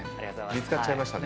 見つかっちゃいましたね。